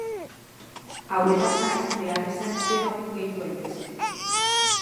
Hauetaz gain, behar izanez gero, gehitu daitezke.